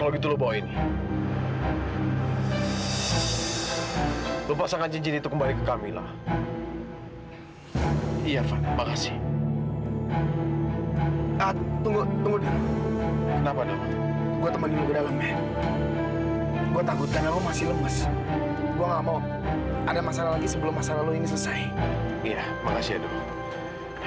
belum ada tuh pak